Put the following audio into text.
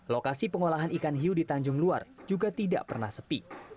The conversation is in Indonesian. lokasi pengolahan ikan hiu di tanjung luar juga tidak pernah sepi